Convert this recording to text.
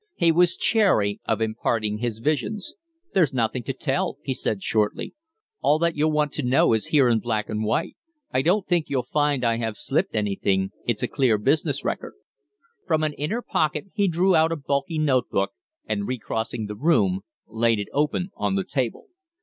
He was chary of imparting his visions. "There's nothing to tell," he said, shortly. "All that you'll want to know is here in black and white. I don't think you'll find I have slipped anything; it's a clear business record." From an inner pocket he drew out a bulky note book, and, recrossing the room, laid it open on the table.